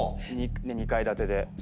で２階建てで。